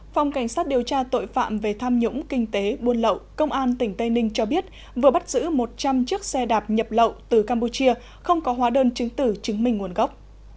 phòng cảnh sát điều tra tội phạm về tham nhũng kinh tế buôn lậu công an tỉnh tây ninh cho biết vừa bắt giữ một trăm linh chiếc xe đạp nhập lậu từ campuchia không có hóa đơn chứng tử chứng minh nguồn gốc